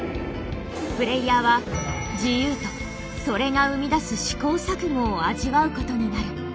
プレイヤーは自由とそれが生み出す試行錯誤を味わうことになる。